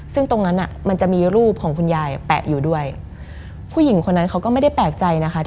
ซึ่งตรงนั้นอ่ะมันจะมีรูปของคุณยายแปะอยู่ด้วยผู้หญิงคนนั้นเขาก็ไม่ได้แปลกใจนะคะ